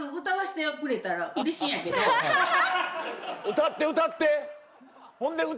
歌って歌って。